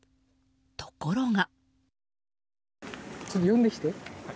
ところが。